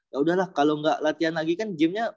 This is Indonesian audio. yaudahlah kalo ga latihan lagi kan gymnya